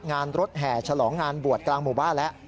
งานรถแห่ฉลองงานบวชกลางหมู่บ้านแล้ว